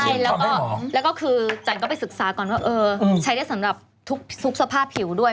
ใช่แล้วก็คือจันก็ไปศึกษาก่อนว่าใช้ได้สำหรับทุกสภาพผิวด้วย